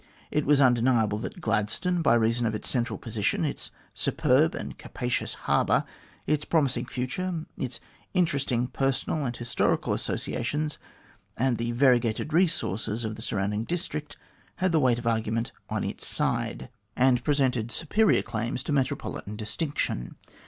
It was undeniable that Gladstone, by reason of its central position, its superb and capacious harbour, its promising future, its interesting personal and historical associations, and the variegated resources of the surrounding district, had the weight of argument on sits ide, and presented *Vol.ii. p. 202. THE GLADSTONE OF TO DAY 191 superior claims to metropolitan distinction.